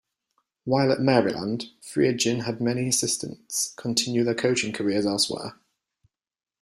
While at Maryland, Friedgen had many assistants continue their coaching careers elsewhere.